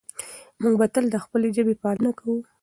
موږ به تل د خپلې ژبې پالنه کوو.